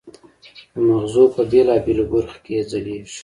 د مغزو په بېلابېلو برخو کې یې ځلېږي.